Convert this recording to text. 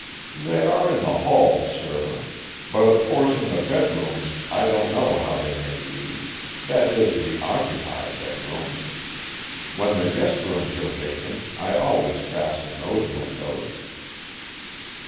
"They are in the halls, sir. But of course in the bedrooms I don't know how they may be. That is, the occupied bedrooms. When the guest rooms are vacant I always fasten those windows."